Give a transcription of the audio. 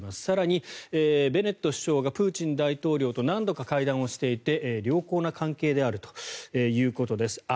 更に、ベネット首相がプーチン大統領と何度か会談をしていて良好な関係であるということです